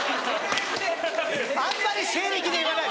あんまり西暦で言わない。